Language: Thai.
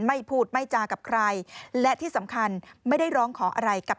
ไม่พูดไม่จากับใครและที่สำคัญไม่ได้ร้องขออะไรกับ